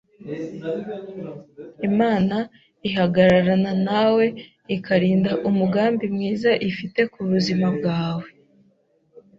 Imana ihagararana nawe ikarinda umugambi mwiza ifite ku buzima bwawe.